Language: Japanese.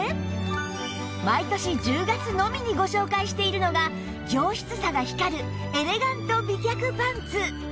毎年１０月のみにご紹介しているのが上質さが光るエレガント美脚パンツ